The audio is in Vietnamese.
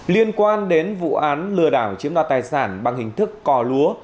liên quan đến vụ án lừa đảo chiếm đoạt tài sản bằng hình thức cò lúa